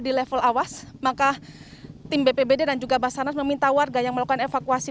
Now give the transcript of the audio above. di level awas maka tim bpbd dan juga basarnas meminta warga yang melakukan evakuasi